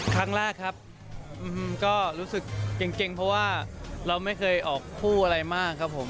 ครั้งแรกครับก็รู้สึกเก่งเพราะว่าเราไม่เคยออกคู่อะไรมากครับผม